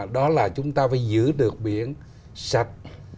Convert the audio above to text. đó là chúng ta phải giữ được biển sạch